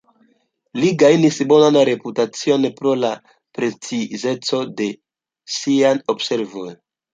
Li gajnis bonan reputacion pro la precizeco de siaj observoj.